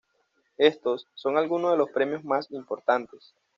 Estos son algunos de los premios más importantes.